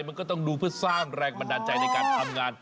มันก็ต้องดูเพื่อสร้างแรงบันดาลใจในการทำงาน